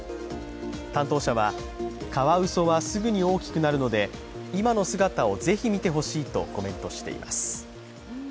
担当者はカワウソはすぐに大きくなるので、今の姿をぜひ見てほしいとコメントしています